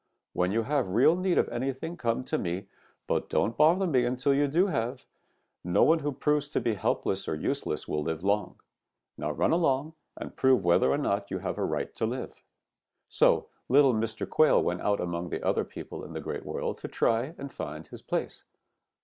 When you have real need of anything come to me, but don't bother me until you do have. No one who proves to be helpless or useless will live long. Now run along and prove whether or not you have a right to live.' "So little Mr. Quail went out among the other people in the Great World to try and find his place.